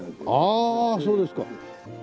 ああそうですか。